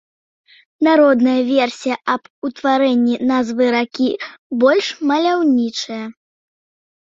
Народная версія аб утварэнні назвы ракі больш маляўнічая.